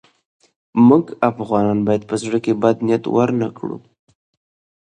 موږ افغانان باید په زړه کې بد نیت ورنه کړو.